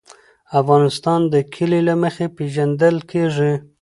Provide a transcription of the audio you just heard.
افغانستان د کلي له مخې پېژندل کېږي.